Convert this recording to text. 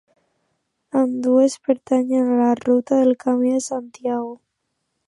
Ambdues pertanyen a la ruta del Camí de Santiago.